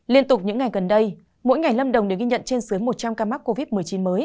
liên tục những ngày gần đây mỗi ngày lâm đồng đều ghi nhận trên dưới một trăm linh ca mắc covid một mươi chín mới